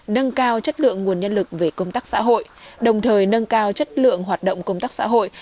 nâng cao chất lượng nguồn nhân lực về công tác xã hội đồng thời nâng cao chất lượng hoạt động công tác xã hội